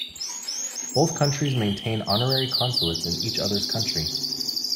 Both Countries maintain honorary consulates in each other's country.